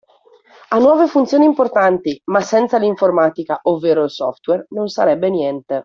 Ha nuove funzioni importanti ma senza l'informatica ovvero il software non sarebbe niente.